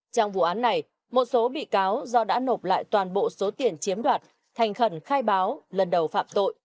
trong vụ án này một số bị cáo do đã nộp lại toàn bộ số tiền chiếm đoạt thành khẩn khai báo lần đầu phạm tội